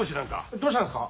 どうしたんですか？